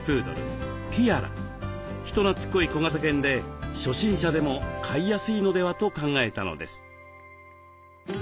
人なつっこい小型犬で初心者でも飼いやすいのではと考えたのです。